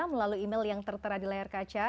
melalui email yang tertera di layar kaca